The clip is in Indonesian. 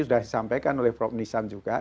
sudah disampaikan oleh prof nisam juga